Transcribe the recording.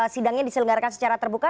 sidangnya diselenggarakan secara terbuka